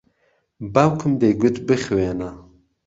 باوکم دەیگوت بخوێنە.